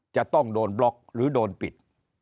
จะต้องโดนบล็อกหรือโดนปิด